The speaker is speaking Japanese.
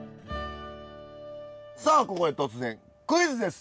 さあここで突然クイズです。